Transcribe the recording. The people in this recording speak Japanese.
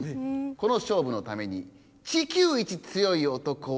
この勝負のためにえ？